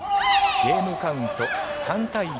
ゲームカウント３対１。